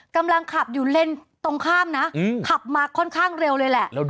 กำลังขับอยู่เลนส์ตรงข้ามนะขับมาค่อนข้างเร็วเลยแหละ